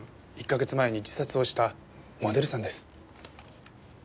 １か月前に自殺をしたモデルさんです。